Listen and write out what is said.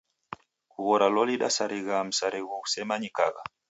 Kughora loli dasarigha msarigho ghusemanyikagha.